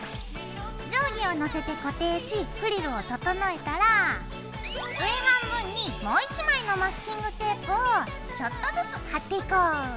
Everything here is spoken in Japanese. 定規を乗せて固定しフリルを整えたら上半分にもう１枚のマスキングテープをちょっとずつ貼っていこう。